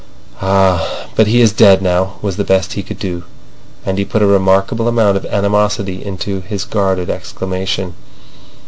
"Ah, but he is dead now," was the best he could do. And he put a remarkable amount of animosity into his guarded exclamation.